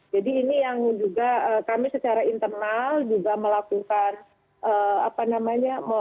jadi ini yang juga kami secara internal juga melakukan apa namanya